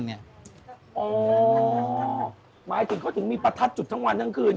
หมายถึงเขาถึงมีประทัดจุดทั้งวันทั้งคืน